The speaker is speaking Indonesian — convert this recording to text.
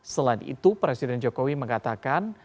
selain itu presiden jokowi mengatakan